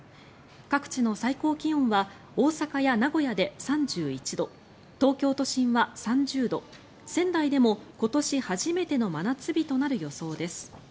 各地の最高気温は大阪や名古屋で３１度東京都心は３０度仙台でも今年初めての真夏日となる予想です。